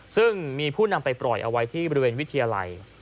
ซึ่งมีผู้นำไปปล่อยเอาไว้ที่บริเวณวิทยาลัย